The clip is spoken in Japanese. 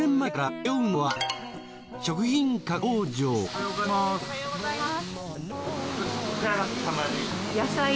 おはようございます。